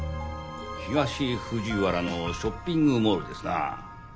東藤原のショッピングモールですな。